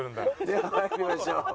では参りましょう。